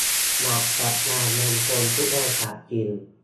เหมาะกับงานมงคลทุกโอกาสจริง